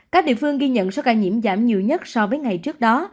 các địa phương ghi nhận số ca nhiễm giảm nhiều nhất so với ngày trước đó